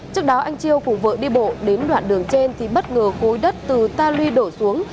trước đó anh chiêu cùng vợ đi bộ đến đoạn đường trên thì bất ngờ cối đất từ ta lui đổ xuống